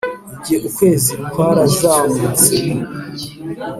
igihe ukwezi kwarazamutse ni